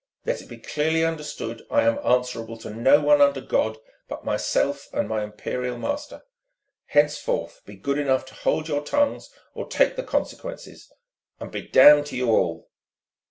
Let it be clearly understood I am answerable to no one under God but myself and my Imperial master. Henceforth be good enough to hold your tongues or take the consequences and be damned to you all!"